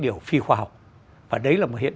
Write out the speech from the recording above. điều phi khoa học và đấy là một hiện